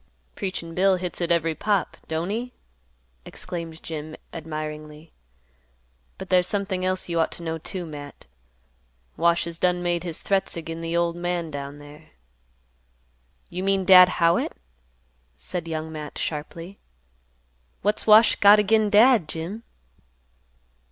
"'Preachin' Bill' hits it every pop, don't he?" exclaimed Jim, admiringly. "But there's somethin' else you ought to know, too, Matt. Wash has done made his threats agin the old man down there." "You mean Dad Howitt?" said Young Matt, sharply. "What's Wash got agin Dad, Jim?"